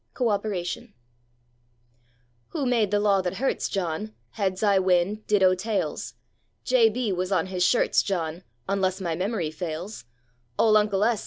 CHAPTER VI VOTES Who made the law thet hurts, John, Heads I win,—ditto tails? "J. B." was on his shirts, John, Onless my memory fails. Ole Uncle S.